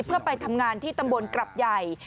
เพื่อไปทำงานที่ตำบลกรับใหญ่